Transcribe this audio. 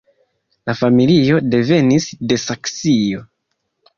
La familio devenis de Saksio.